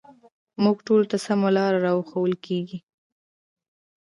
موږ ټولو ته سمه لاره راښوول کېږي